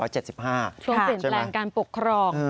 ช่วงเปลี่ยนแปลงการปกครอง